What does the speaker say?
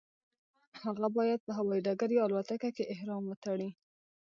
هغه باید په هوایي ډګر یا الوتکه کې احرام وتړي.